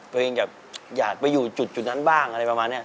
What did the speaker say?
อยากไปอยู่จุดนั้นบ้างอะไรประมาณนี้